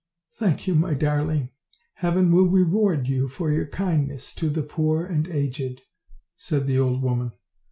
"Thank you, my darling. Heaven will reward you for your kindness to the poor and aged," said the old woman.